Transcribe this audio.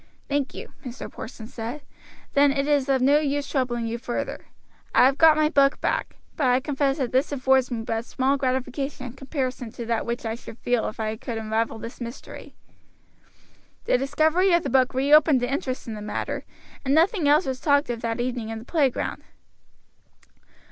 "Thank you," Mr. Porson said; "then it is of no use troubling you further. I have got my book back; but I confess that this affords me but small gratification in comparison to that which I should feel if I could unravel this mystery." The discovery of the book reopened the interest in the matter, and nothing else was talked of that evening in the playground.